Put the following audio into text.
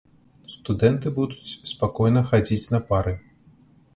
Студэнты будуць спакойна хадзіць на пары.